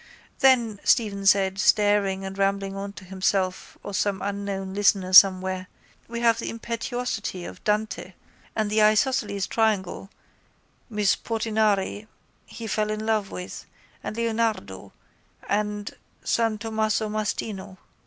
—Then, Stephen said staring and rambling on to himself or some unknown listener somewhere, we have the impetuosity of Dante and the isosceles triangle miss Portinari he fell in love with and Leonardo and san Tommaso Mastino.